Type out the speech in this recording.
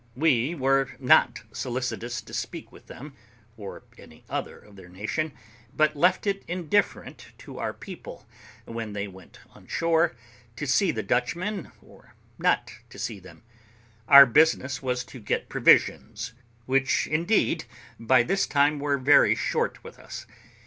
We were not solicitous to speak with them, or any other of their nation, but left it indifferent to our people, when they went on shore, to see the Dutchmen or not to see them; our business was to get provisions, which, indeed, by this time were very short with us.